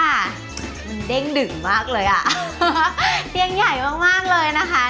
มันเด้งดึงมากเลยอ่ะเตียงใหญ่มากมากเลยนะคะ